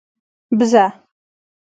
🐐 بزه